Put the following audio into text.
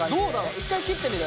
１回切ってみる？